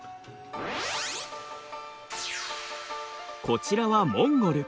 こちらはモンゴル。